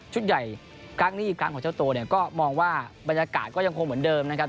ใหญ่ครั้งนี้อีกครั้งของเจ้าตัวเนี่ยก็มองว่าบรรยากาศก็ยังคงเหมือนเดิมนะครับ